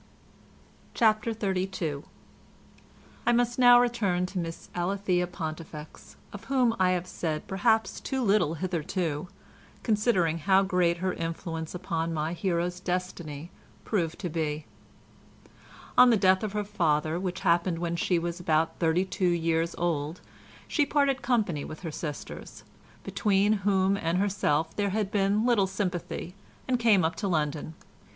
CHAPTER XXXII I must now return to Miss Alethea Pontifex, of whom I have said perhaps too little hitherto, considering how great her influence upon my hero's destiny proved to be. On the death of her father, which happened when she was about thirty two years old, she parted company with her sisters, between whom and herself there had been little sympathy, and came up to London.